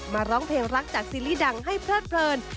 ร้องเพลงรักจากซีรีส์ดังให้เพลิดเพลิน